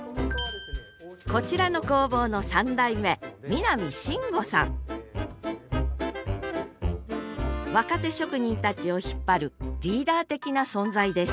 こちらの工房の３代目若手職人たちを引っ張るリーダー的な存在です